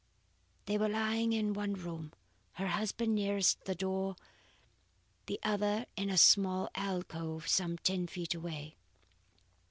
'" They were lying in one room, her husband nearest the door, the other in a small alcove some ten feet away.